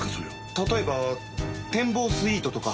例えば展望スイートとか。